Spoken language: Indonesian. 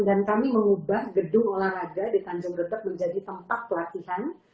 dan kami mengubah gedung olahraga di tanjung detak menjadi tempat pelatihan